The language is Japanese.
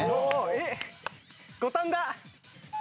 五反田。